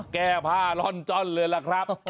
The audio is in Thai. แก้ผ้าล่อนจ้อนเลยล่ะครับ